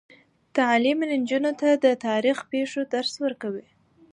تعلیم نجونو ته د تاریخي پیښو درس ورکوي.